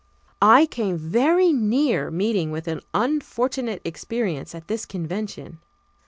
I came very near meeting with an unfortunate experience at this convention.